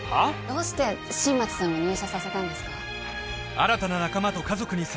どうして新町さんを入社させたんですか？